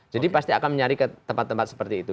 jadi pasti akan mencari tempat tempat seperti itu